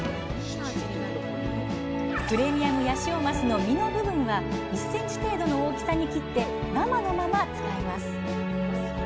プレミアムヤシオマスの身の部分は１ｃｍ程度の大きさに切って生のまま使います。